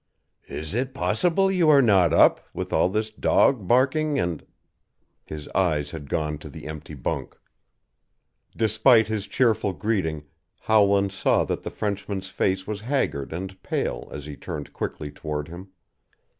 "Is it possible you are not up, with all this dog barking and " His eyes had gone to the empty bunk. Despite his cheerful greeting Howland saw that the Frenchman's face was haggard and pale as he turned quickly toward him.